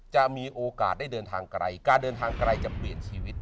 จะมีโอกาสได้เดินทางไกลการเดินทางไกลจะเปลี่ยนชีวิต